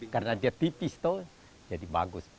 karena dia tipis jadi bagus